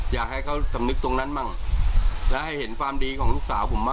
อยากให้เขาสำนึกตรงนั้นบ้างและให้เห็นความดีของลูกสาวผมบ้าง